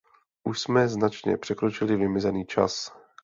Už jsme značně překročili vymezený čas.